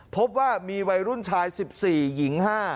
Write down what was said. พบว่ามีวัยรุ่นชาย๑๔หญิง๕